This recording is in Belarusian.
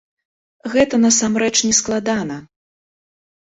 Гэта насамрэч не складана.